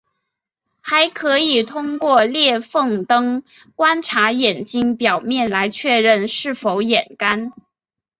还可以通过裂缝灯观察眼睛表面来确认是否眼干。